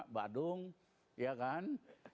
badung ya kan